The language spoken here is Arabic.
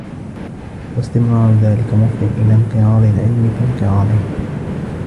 وَاسْتِمْرَارُ ذَلِكَ مُفْضٍ إلَى انْقِرَاضِ الْعِلْمِ بِانْقِرَاضِهِمْ